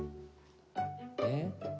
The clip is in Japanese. えっ？